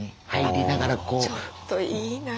ちょっといいなあ。